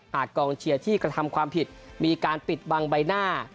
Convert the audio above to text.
กองเชียร์ที่กระทำความผิดมีการปิดบังใบหน้า